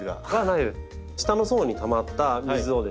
下の層にたまった水をですね